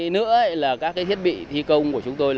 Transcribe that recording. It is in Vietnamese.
nữa là các thiết bị thi công của chúng tôi